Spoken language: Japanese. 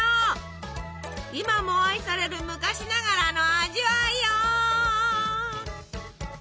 今も愛される昔ながらの味わいよ！